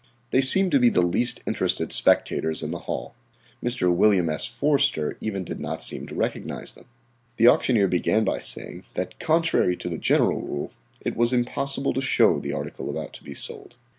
They seemed to be the least interested spectators in the hall. Mr. William S. Forster even did not seem to recognize them. The auctioneer began by saying that contrary to the general rule it was impossible to show the article about to be sold.